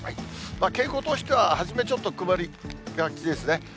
傾向としては、初めちょっと曇りがちですね。